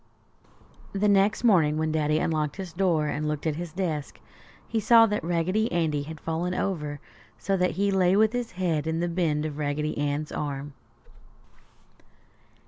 The next morning, when Daddy unlocked his door and looked at his desk, he saw that Raggedy Andy had fallen over so that he lay with his head in the bend of Raggedy Ann's arm.